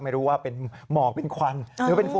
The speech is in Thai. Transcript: ไม่รู้ว่าเป็นหมอกเป็นควันหรือเป็นฝน